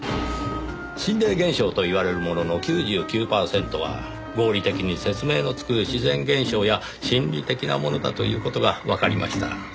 心霊現象と言われるものの９９パーセントは合理的に説明のつく自然現象や心理的なものだという事がわかりました。